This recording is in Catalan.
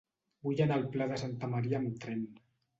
Vull anar al Pla de Santa Maria amb tren.